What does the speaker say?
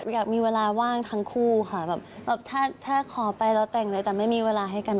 อยากมีเวลาว่างทั้งคู่ค่ะแบบถ้าขอไปแล้วแต่งเลยแต่ไม่มีเวลาให้กัน